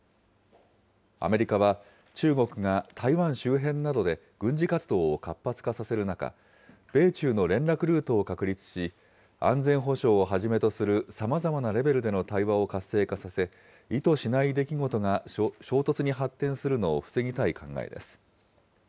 アメリカは中国が台湾周辺などで、軍事活動を活発化させる中、米中の連絡ルートを確立し、安全保障をはじめとするさまざまなレベルでの対話を活性化させ、意図しない出来事が衝突に発展するのを防ぎたい考えです。